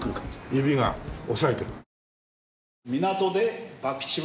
指が押さえてる。